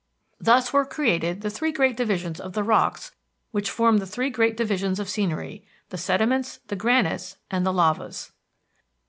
Thus were created the three great divisions of the rocks which form the three great divisions of scenery, the sediments, the granites, and the lavas.